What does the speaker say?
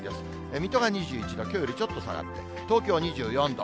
水戸が２１度、きょうよりちょっと下がって、東京２４度。